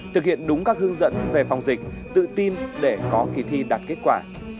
thực hiện đúng các hướng dẫn về phòng dịch tự tin để có kỳ thi đạt kết quả